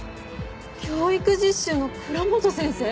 教育実習の倉本先生？